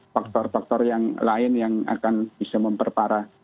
faktor faktor yang lain yang akan bisa memperparah